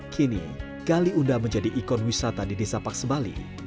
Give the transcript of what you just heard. kini kaliunda menjadi ikon wisata di desa paksebali